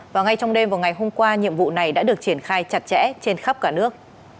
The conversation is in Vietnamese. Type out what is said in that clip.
và ngay trong đêm vào ngày hôm qua nhiệm vụ này đã được triển khai chặt chẽ trên khắp cả nước